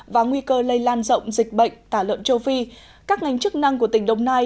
và nguy cơ lây lan rộng dịch bệnh tả lợn châu phi các ngành chức năng của tỉnh đồng nai